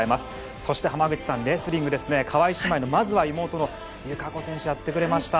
そして浜口さん、レスリング川井姉妹のまずは妹の友香子選手やってくれました。